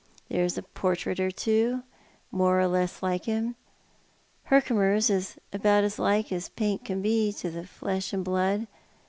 There's a portrait or two, more or less like him. Hcrkomer's is about as like as paint can be to flesh and blood.